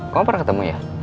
kamu pernah ketemu ya